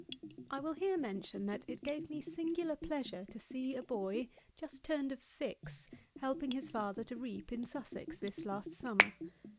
I will here mention that it gave me singular pleasure to see a boy, just turned of six, helping his father to reap, in Sussex, this last summer.